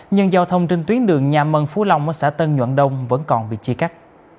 nhưng giao thông trên tuyến đường nha mân phú long ở xã tân nhoạn đông vẫn còn bị chi cắt